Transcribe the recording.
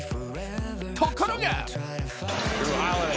ところが！